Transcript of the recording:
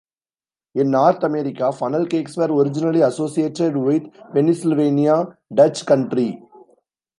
In North America, funnel cakes were originally associated with Pennsylvania Dutch Country.